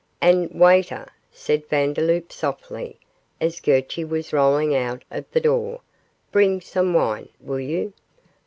'And, waiter,' said Vandeloup, softly, as Gurchy was rolling out of the door, 'bring some wine, will you?